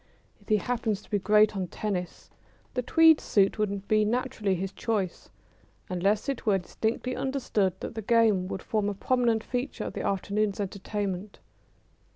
If he happen to be great on tennis the tweed suit would be naturally his choice, unless it were distinctly understood that the game would form a prominent feature of the afternoon's entertainment.